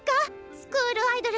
スクールアイドル。